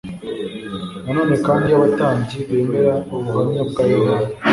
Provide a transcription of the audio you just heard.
Na none kandi iyo abatambyi bemera ubuhamya bwa Yohana,